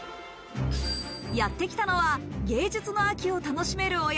やってきたのは芸術の秋を楽しめるお宿。